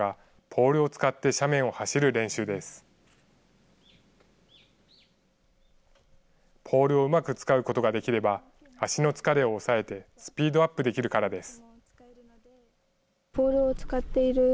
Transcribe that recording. ポールをうまく使うことができれば、足の疲れを抑えて、スピードアップできるからです。